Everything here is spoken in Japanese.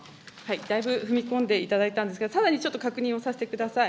だいぶ踏み込んでいただいたんですが、さらにちょっと確認をさせてください。